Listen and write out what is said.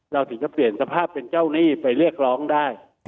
ถึงจะเปลี่ยนสภาพเป็นเจ้าหนี้ไปเรียกร้องได้